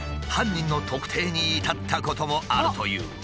犯人の特定に至ったこともあるという。